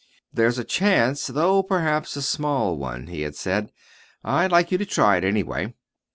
"There's a chance though perhaps a small one," he had said. "I'd like you to try it, anyway."